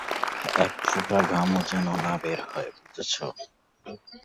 এক ফোঁটা ঘামও যেন না বের হয়, বুঝেছো?